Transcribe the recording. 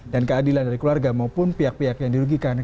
dan keadilan dari keluarga maupun pihak pihak yang dirugikan